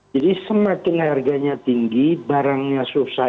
jadi semakin harganya tinggi barangnya susah